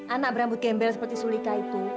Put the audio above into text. anak berambut gembel seperti sulika itu